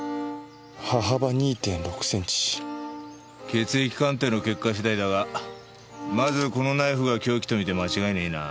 血液鑑定の結果次第だがまずこのナイフが凶器と見て間違いねえな。